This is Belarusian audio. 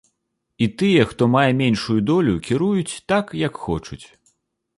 І тыя, хто мае меншую долю, кіруюць так, як хочуць.